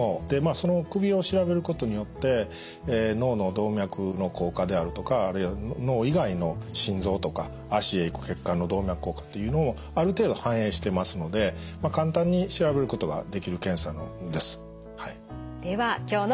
でまあその首を調べることによって脳の動脈の硬化であるとかあるいは脳以外の心臓とか脚へ行く血管の動脈硬化っていうのもある程度反映してますので簡単に調べることができる検査ですはい。